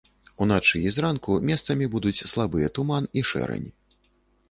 Уначы і зранку месцамі будуць слабыя туман і шэрань.